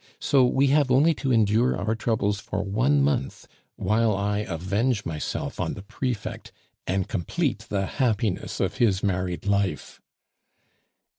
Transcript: So we have only to endure our troubles for one month, while I avenge myself on the prefect and complete the happiness of his married life."